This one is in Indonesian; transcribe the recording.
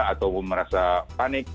atau merasa panik